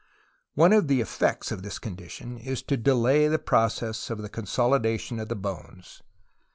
One of the effects of this condition is to delay the process of the consolidation of the bones.